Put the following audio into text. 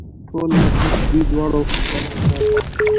ټول مجلس دوی دواړو ښکلی کړ.